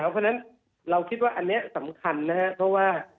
เพราะฉะนั้นเราคิดว่าอันนี้สำคัญนะครับเพราะว่า